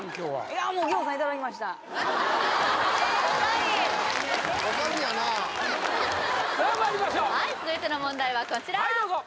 いやもうさあまいりましょうはい続いての問題はこちら